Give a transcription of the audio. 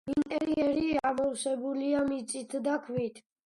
ინტერიერი ამოვსებულია მიწით და ქვით.